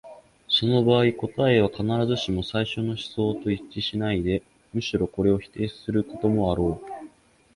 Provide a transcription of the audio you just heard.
その場合、答えは必ずしも最初の思想と一致しないで、むしろこれを否定することもあろう。